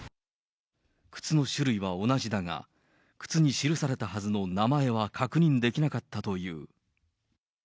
靴の種類は同じだが、靴に記されたはずの名前は確認できなかったという。